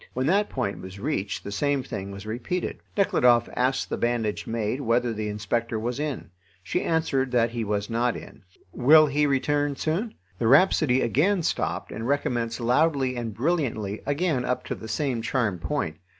When that point was reached the same thing was repeated. Nekhludoff asked the bandaged maid whether the inspector was in. She answered that he was not in. "Will he return soon?" The rhapsody again stopped and recommenced loudly and brilliantly again up to the same charmed point.